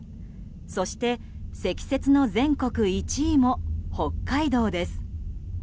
そして、積雪の全国１位も北海道です。